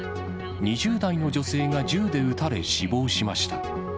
２０代の女性が銃で撃たれ死亡しました。